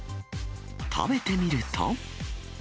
食べてみると。